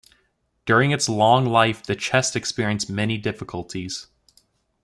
During its long life the Chest experienced many difficulties.